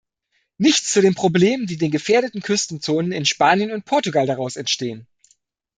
Nichts zu den Problemen, die den gefährdeten Küstenzonen in Spanien und Portugal daraus entstehen.